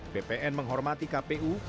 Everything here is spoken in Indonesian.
bpn menghormati kpu